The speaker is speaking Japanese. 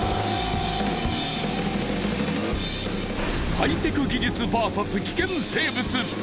ハイテク技術バーサス危険生物。